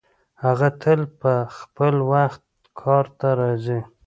هغه تل په خپل وخت کار ته راځي.